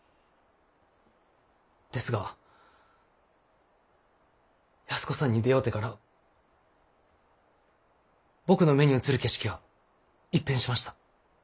ですが安子さんに出会うてから僕の目に映る景色が一変しました。